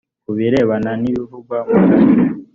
ku birebana n ibivugwa mu gace